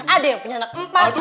ada yang punya anak empat